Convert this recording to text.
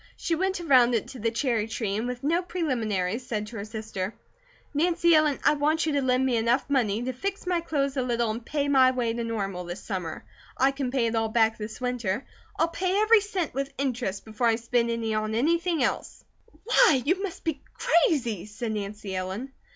She went around it to the cherry tree and with no preliminaries said to her sister: "Nancy Ellen, I want you to lend me enough money to fix my clothes a little and pay my way to Normal this summer. I can pay it all back this winter. I'll pay every cent with interest, before I spend any on anything else." "Why, you must be crazy!" said Nancy Ellen.